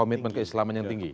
komitmen ke islam yang tinggi